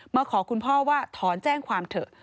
มาขอคุณพ่อว่าถอนแจ้งความเถอะ